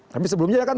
tapi sebelumnya kan